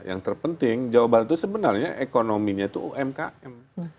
yang terpenting jawa barat itu sebenarnya ekonominya itu umkm